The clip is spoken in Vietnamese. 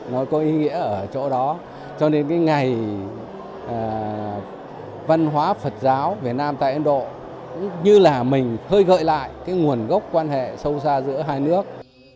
nó có ý nghĩa ở chỗ đó cho nên cái ngày văn hóa phật giáo việt nam tại ấn độ cũng như là mình hơi gợi lại cái nguồn gốc quan hệ sâu xa giữa hai nước